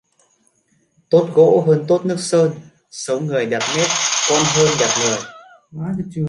Tốt gỗ hơn tốt nước sơn, xấu người đẹp nết con hơn đẹp người